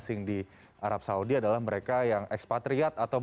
kemudian yang ketiga adalah mereka yang sudah sembuh covid